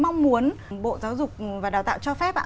mong muốn bộ giáo dục và đào tạo cho phép ạ